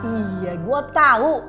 iya gue tau